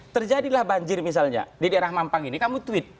terjadilah banjir misalnya di daerah mampang ini kamu tweet